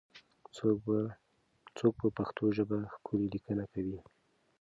څوک په پښتو ژبه ښکلې لیکنې کوي؟